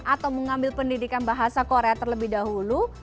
atau mengambil pendidikan bahasa korea terlebih dahulu